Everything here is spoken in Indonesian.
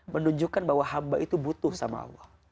menunjukkan bahwa hamba itu butuh sama allah